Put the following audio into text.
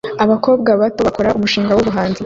Abakobwa bato bakora umushinga wubuhanzi